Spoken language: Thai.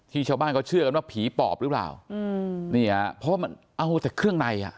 ชาวบ้านเขาเชื่อกันว่าผีปอบหรือเปล่าอืมนี่ฮะเพราะว่ามันเอาแต่เครื่องในอ่ะ